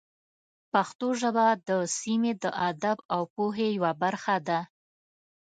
پښتو ژبه د سیمې د ادب او پوهې یوه برخه ده.